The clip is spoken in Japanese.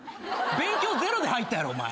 勉強ゼロで入ったやろお前。